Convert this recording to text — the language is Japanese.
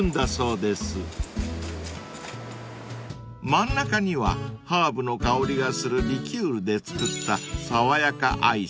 ［真ん中にはハーブの香りがするリキュールで作った爽やかアイス］